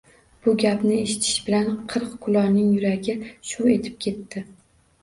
Bu gapni eshitish bilan qirq kulolning yuragi shuv etib ketibdi